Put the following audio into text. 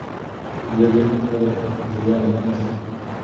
Һиҙгерлек, хәйер, зыян итмәй шул.